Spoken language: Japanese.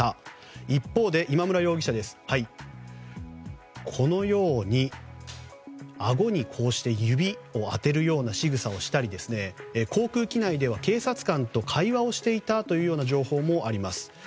一方で、今村容疑者はあごに指を当てるようなしぐさをしたり航空機内では警察官と会話をしていたという情報もあります。